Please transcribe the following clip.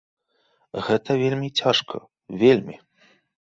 Гэта вельмі цяжка, вельмі.